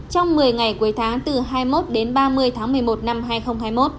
trong một mươi ngày cuối tháng từ hai mươi một đến ba mươi tháng một mươi một năm hai nghìn hai mươi một